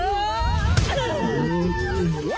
うわ！